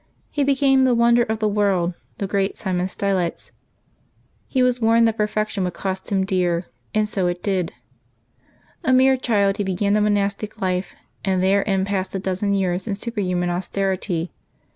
He became the wonder of the world, the great St. Simeon Stylites. He was warned that per fection would cost him dear, and so it did. A mere child, he began the monastic life, and therein passed a dozen years in superhuman austerity.